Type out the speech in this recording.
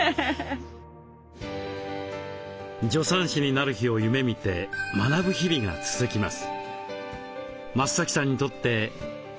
助産師になる日を夢みて学ぶ日々が続きます。